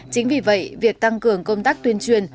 chính vì vậy việc tăng cường công tác tuyên truyền